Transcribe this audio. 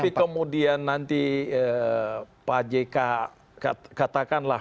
tapi kemudian nanti pak jk katakanlah